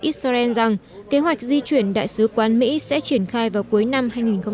israel rằng kế hoạch di chuyển đại sứ quán mỹ sẽ triển khai vào cuối năm hai nghìn hai mươi